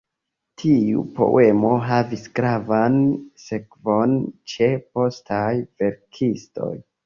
Tiu poemo havis gravan sekvon ĉe postaj verkistoj.